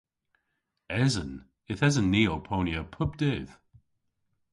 Esen. Yth esen ni ow ponya pub dydh.